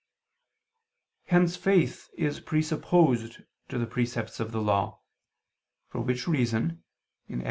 Hence faith is presupposed to the precepts of the Law: for which reason (Ex.